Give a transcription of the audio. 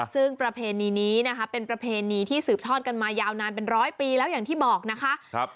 ซึ่งประเพณีนี้นะคะเป็นประเพณีที่สืบทอดกันมายาวนานเป็นร้อยปีแล้วอย่างที่บอกนะคะ